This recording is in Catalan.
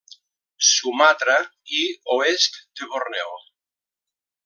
Sumatra i oest de Borneo.